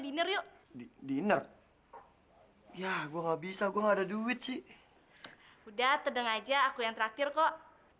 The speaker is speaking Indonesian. diner yuk diner ya gua nggak bisa gua nggak ada duit sih udah terdengar aja aku yang terakhir kok